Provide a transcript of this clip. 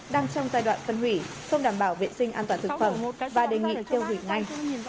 đang trong giai đoạn phân hủy không đảm bảo vệ sinh an toàn thực phẩm và đề nghị tiêu hủy ngay